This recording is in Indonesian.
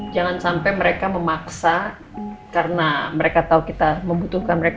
jangan sampai mereka memaksa karena mereka tahu kita membutuhkan mereka